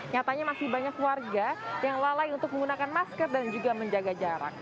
nyatanya masih banyak warga yang lalai untuk menggunakan masker dan juga menjaga jarak